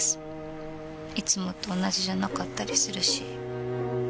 いつもと同じじゃなかったりするし。